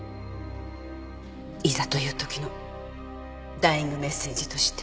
いざというときのダイイングメッセージとして。